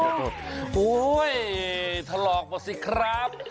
โอ้โหถลอกหมดสิครับ